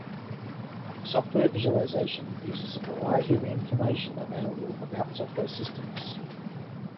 Software visualization uses a variety of information available about software systems.